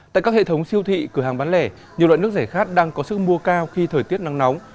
tại các hệ thống siêu thị cửa hàng bán lẻ nhiều loại nước giải khát đang có sức mua cao khi thời tiết nắng nóng